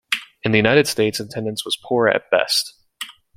In the United States attendance was poor at best.